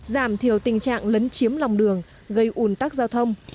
giảm thiểu tình trạng lấn chiếm lòng đường gây ủn tắc giao thông